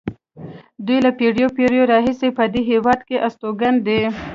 دوی له پېړیو پېړیو راهیسې په دې هېواد کې استوګن دي.